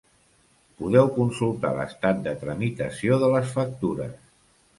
'Podeu consultar l'estat de tramitació de les factures'.